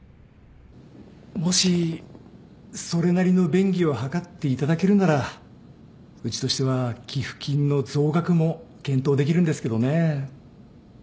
もしそれなりの便宜を図っていただけるならうちとしては寄付金の増額も検討できるんですけどね